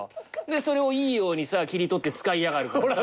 それをいいようにさ切り取って使いやがるからさ。